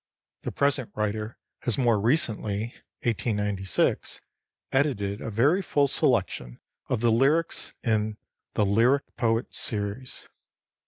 The present writer has more recently (1896) edited a very full selection of the lyrics in the 'Lyric Poets' series.